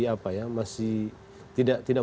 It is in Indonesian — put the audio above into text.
apa ya masih tidak